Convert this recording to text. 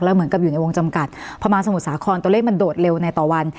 เหมือนกับอยู่ในวงจำกัดพอมาสมุทรสาครตัวเลขมันโดดเร็วในต่อวัน